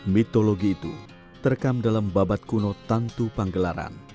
mitologi itu terekam dalam babat kuno tantu panggelaran